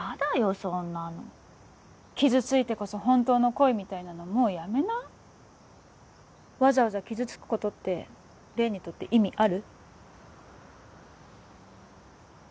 そんなの傷ついてこそ本当の恋みたいなのもうやめなわざわざ傷つくことって黎にとって意味ある？